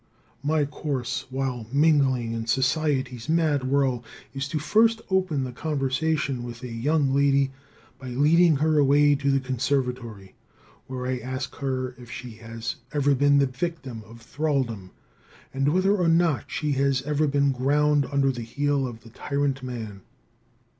My course, while mingling in society's mad whirl, is to first open the conversation with a young lady by leading her away to the conservatory, where I ask her if she has ever been the victim of thralldom and whether or not she has ever been ground under the heel of the tyrant man.